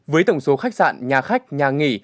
với tổng số khách sạn nhà khách nhà nghỉ